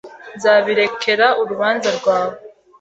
Nzabirekera urubanza rwawe.